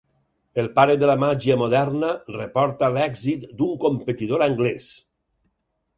El pare de la màgia moderna reporta l'èxit d'un competidor anglès.